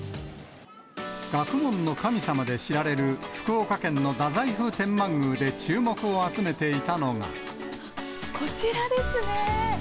学問の神様で知られる福岡県の太宰府天満宮で注目を集めていたのこちらですね。